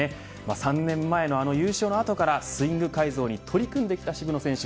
３年前の優勝の後からスイング改造に取り組んできた渋野選手。